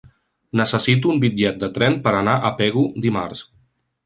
Necessito un bitllet de tren per anar a Pego dimarts.